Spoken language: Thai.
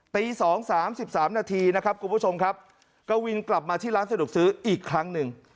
ตี๒๓๓นาทีนะครับคุณผู้ชมครับกวินกลับมาที่ร้านสะดวกซื้ออีกครั้งหนึ่ง